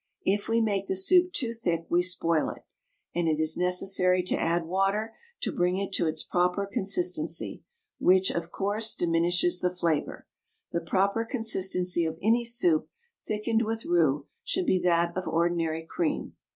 If we make the soup too thick we spoil it, and it is necessary to add water to bring it to its proper consistency, which, of course, diminishes the flavour. The proper consistency of any soup thickened with roux should be that of ordinary cream.